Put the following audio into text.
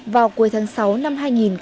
vào cuối tháng sáu năm hai nghìn một mươi năm